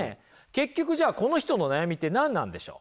結局じゃあこの人の悩みって何なんでしょう？